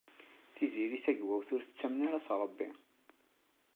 Tiziri Tagawawt ur tettamen ara s Ṛebbi.